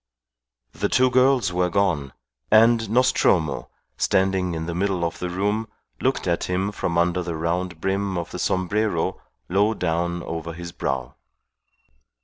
The two girls were gone, and Nostromo, standing in the middle of the room, looked at him from under the round brim of the sombrero low down over his brow.